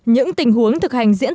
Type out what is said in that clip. những tình huống thực hành diễn tả